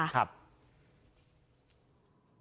เจ็บเหรอ